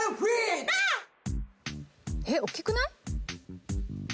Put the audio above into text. えっおっきくない？